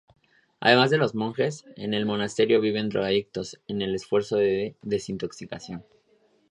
Además de los monjes, en el monasterio viven drogadictos en el esfuerzo de desintoxicación.